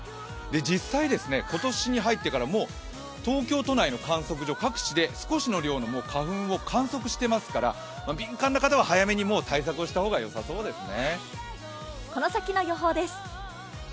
実際、今年に入ってから東京都内の観測所各地で少しの量の花粉をもう観測していますから敏感な方は早めに対策をした方がよさそうですね。